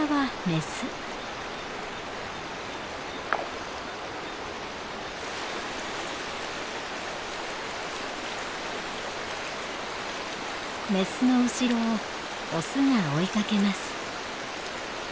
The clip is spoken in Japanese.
メスの後ろをオスが追いかけます。